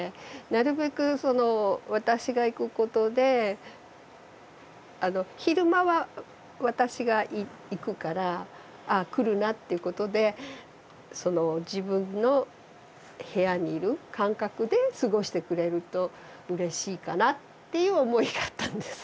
なるべく私が行くことで昼間は私が行くからああ来るなってことで自分の部屋にいる感覚で過ごしてくれるとうれしいかなっていう思いがあったんです。